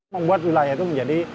membuat wilayah itu menjadi